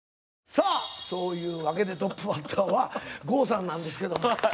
さあそういうわけでトップバッターは郷さんなんですけども。